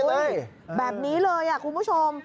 เอ้าไงแบบนี้เลยครับคุณผู้ชม